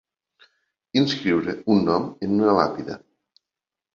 Inscriure un nom en una làpida.